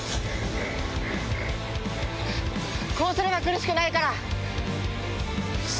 こうすれば苦しくないから！